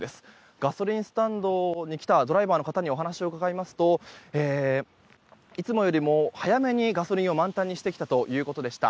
ガソリンスタンドに来たドライバーの方にお話を伺いますといつもよりも早めにガソリンを満タンにしてきたということでした。